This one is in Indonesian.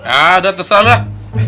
ah udah tersalah